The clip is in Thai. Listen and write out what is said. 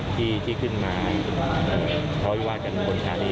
ที่ที่ขึ้นมาเลือกวาดกันบนชาลี